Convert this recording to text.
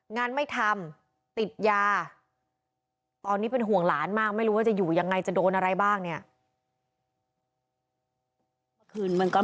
งานไม่ทำติดยาตอนนี้เป็นห่วงหลานมากไม่รู้ว่าจะอยู่ยังไงจะโดนอะไรบ้างเนี่ย